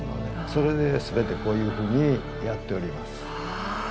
それで全てこういうふうにやっております。